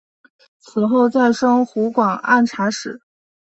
此后再升湖广按察使。